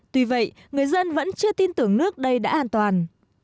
tuy vậy người dân vẫn chưa tin tưởng nước đây đã an toàn